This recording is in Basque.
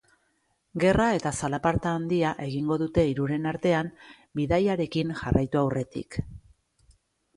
Gerra eta zalaparta handia egingo dute hiruren artean, bidaiarekin jarraitu aurretik.